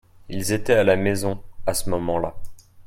Ils étaient à la maison à ce moment-là.